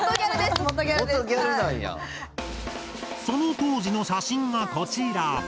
その当時の写真がこちら。